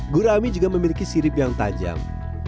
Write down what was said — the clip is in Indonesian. gurami juga memiliki sirip yang tajam